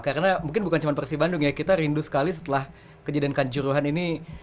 karena mungkin bukan cuma persibandung ya kita rindu sekali setelah kejadian kanjuruhan ini